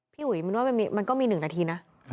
พี่หุยมันก็มี๑นาทีนะ